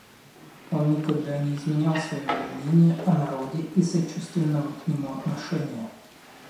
Он никогда не изменял своего мнения о народе и сочувственного к нему отношения.